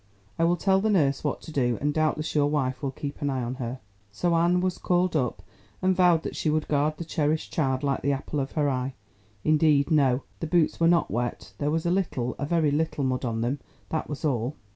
I will tell the nurse what to do, and doubtless your wife will keep an eye on her." So Anne was called up, and vowed that she would guard the cherished child like the apple of her eye. Indeed, no, the boots were not wet—there was a little, a very little mud on them, that was all.